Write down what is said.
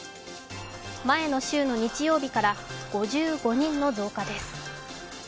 前の週の日曜日から５５人の増加です。